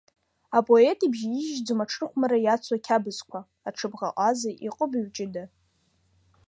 Апоет ибжьаижьӡом аҽырхәмарра иацу ақьабзқәа, аҽыбӷаҟаза, иҟыбаҩ ҷыда.